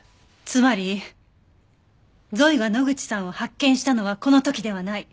つまりゾイが野口さんを発見したのはこの時ではない。